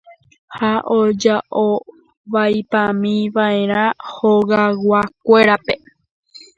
Ha oja'o vaipámiva'erã hogayguakuérape.